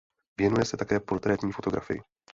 Věnuje se také portrétní fotografii.